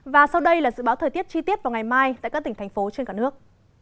và sau đây là dự báo thời tiết chi tiết vào ngày mai tại các tỉnh thành phố trên cả nước